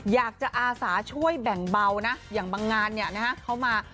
อาสาช่วยแบ่งเบานะอย่างบางงานเนี่ยนะฮะเขามา